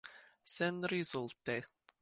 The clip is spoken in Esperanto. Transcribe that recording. Senrezulte.